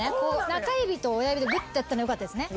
中指と親指でぐっとやったのよかったですね。